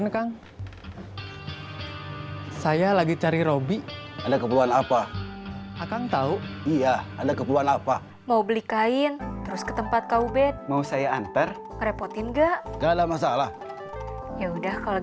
kita harus balik ke terminal